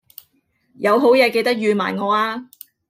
有好嘢記得預埋我呀